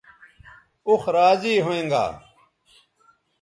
اوخ راضی ھوینگا